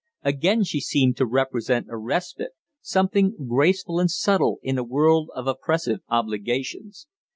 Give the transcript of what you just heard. Again she seemed to represent a respite something graceful and subtle in a world of oppressive obligations.